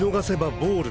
ボール。